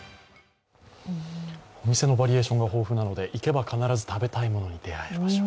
お店のバリエーションが豊富なので、行けば必ず食べたいものに出会える場所。